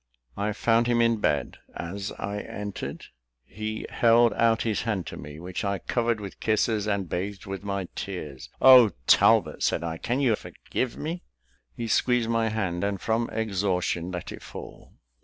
I found him in bed. As I entered, he held out his hand to me, which I covered with kisses, and bathed with my tears. "Oh, Talbot!" said I, "can you forgive me?" He squeezed my hand, and from exhaustion let it fall.